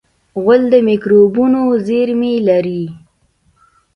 غول د مکروبونو زېرمې لري.